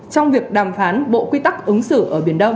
trong việc đàm phán bộ quy tắc ứng xử ở biển đông